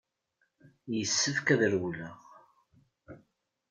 Yessefk ad rewleɣ.